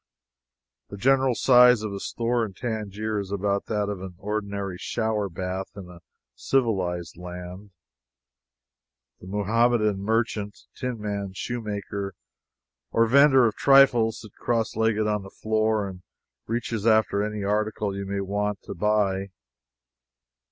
The general size of a store in Tangier is about that of an ordinary shower bath in a civilized land. The Muhammadan merchant, tinman, shoemaker, or vendor of trifles sits cross legged on the floor and reaches after any article you may want to buy.